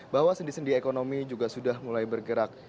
bahwa sendi sendi ekonomi juga sudah mulai bergerak